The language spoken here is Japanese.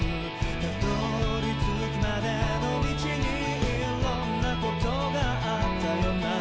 「辿り着くまでの道にいろんなことがあったよな」